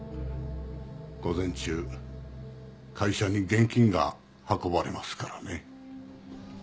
午前中会社に現金が運ばれますからね。